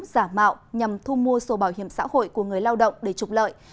giả mạo nhằm thu mua sổ bảo hiểm xã hội của người lao động để trục lợi